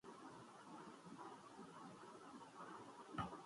چینی کمپنی کا وزیر اعظم ہاسنگ منصوبے میں دلچسپی کا اظہار